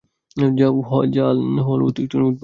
যান হলি উদযাপন করুন।